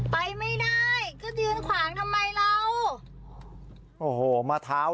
ไปไม่ได้ก็ยืนขวางทำไมเรา